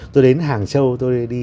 tôi đến hàng châu tôi đi